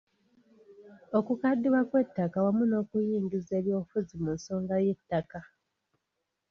Okukaddiwa kw'ettaka wamu n'okuyingiza ebyobufuzi mu nsonga y'ettaka.